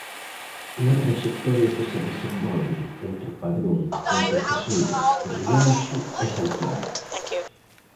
Unha traxectoria que se desenvolve entre Padrón, Pontecesures, Rianxo e Santiago.